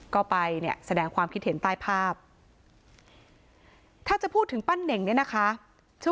ก็ไปแสดงความคิดเห็นใต้ภาพถ้าจะพูดถึงปั้นเหน่ง